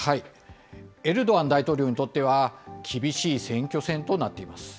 エルドアン大統領にとっては、厳しい選挙戦となっています。